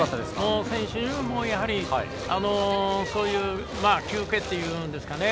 選手にもそういう休憩というんですかね。